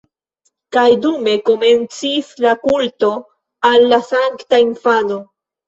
Kaj dume komencis la kulto al la sankta infano.